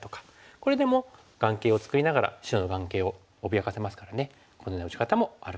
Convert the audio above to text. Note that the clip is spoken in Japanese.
これでも眼形を作りながら白の眼形を脅かせますからねこのような打ち方もあるかなと。